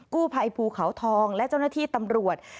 กู้ภัยภูเขาทองและเจ้าหน้าที่ตำรวจ